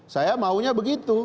saya maunya begitu